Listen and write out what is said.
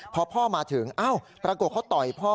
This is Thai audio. พอพ่อมาถึงเอ้าปรากฏเขาต่อยพ่อ